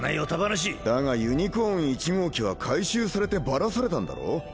だがユニコーン１号機は回収されてバラされたんだろ？